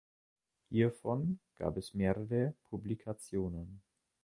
Hiervon gab es mehrere Publikationen.